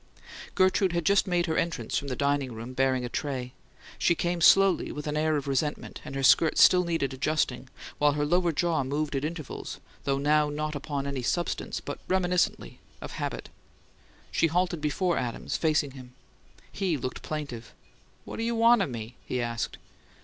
Gertrude had just made her entrance from the dining room, bearing a tray. She came slowly, with an air of resentment; and her skirt still needed adjusting, while her lower jaw moved at intervals, though not now upon any substance, but reminiscently, of habit. She halted before Adams, facing him. He looked plaintive. "What you want o' me?" he asked.